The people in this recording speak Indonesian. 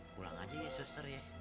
pulang aja ya suster ya